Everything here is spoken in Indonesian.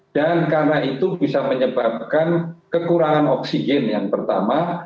dan karena itu bisa menyebabkan kekurangan oksigen yang pertama